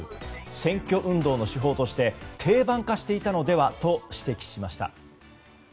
選挙運動の手法として定番化していたのではと指摘しました。